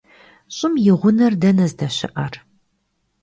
ЩӀым и гъунэр дэнэ здэщыӏэр?